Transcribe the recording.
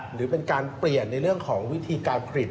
หรือเป็นการเปลี่ยนในเรื่องของวิธีการผลิต